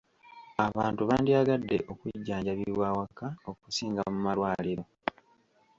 Abantu bandyagadde okujjanjabibwa awaka okusinga mu malwaliro.